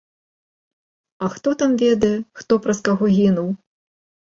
А хто там ведае, хто праз каго гінуў?